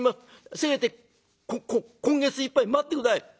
せめて今月いっぱい待って下さい」。